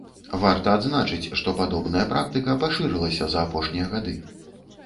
Варта адзначыць, што падобная практыка пашырылася за апошнія гады.